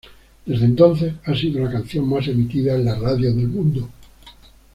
Desde entonces, ha sido la canción más emitida en las radios del mundo.